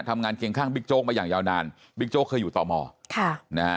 ทำงานเก่งข้างบิ๊กโจ๊กมาอย่างยาวนานบิ๊กโจ๊กเคยอยู่ตมนะฮะ